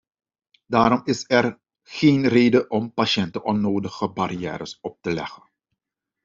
Daarom is er geen reden om patiënten onnodige barrières op te leggen.